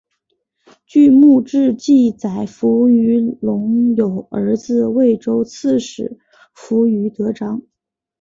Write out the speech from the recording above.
据墓志记载扶余隆有儿子渭州刺史扶余德璋。